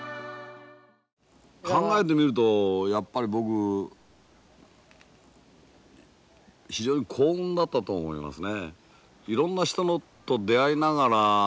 考えてみるとやっぱり僕非常に幸運だったと思いますね。